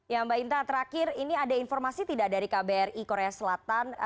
ya mbak inta terakhir ini ada informasi tidak dari kbri korea selatan